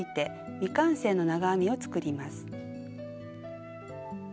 未完成の長編みを作ります。